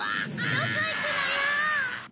どこいくのよ！